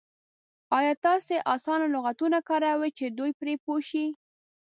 ایا تاسې اسانه لغتونه کاروئ چې دوی پرې پوه شي؟